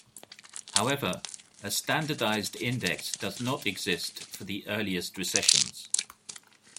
However, a standardized index does not exist for the earliest recessions.